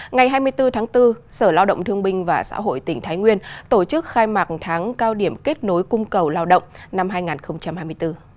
ngày hai mươi bốn tháng bốn sở lao động thương binh và xã hội tỉnh thái nguyên tổ chức khai mạc tháng cao điểm kết nối cung cầu lao động năm hai nghìn hai mươi bốn